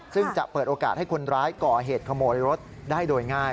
ซึ่งจะเปิดโอกาสให้คนร้ายก่อเหตุขโมยรถได้โดยง่าย